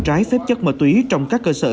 trái phép chất bà túy trong các cơ sở